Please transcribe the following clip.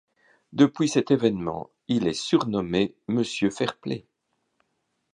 Depuis cet évènement, il est surnommé Monsieur fair-play.